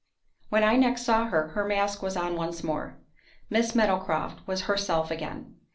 When I next saw her, her mask was on once more. Miss Meadowcroft was herself again.